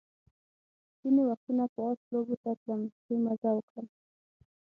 ځینې وختونه به آس لوبو ته تلم چې مزه وکړم.